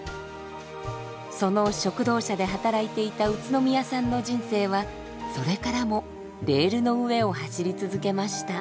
その食堂車で働いていた宇都宮さんの人生はそれからもレールの上を走り続けました。